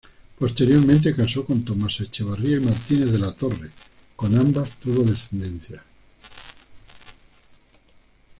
Posteriormente casó con Tomasa Echavarría y Martínez de la Torre, con ambas tuvo descendencia.